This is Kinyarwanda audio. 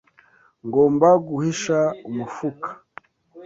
Ngomba guhisha umufuka.